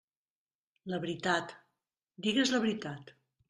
La veritat..., digues la veritat.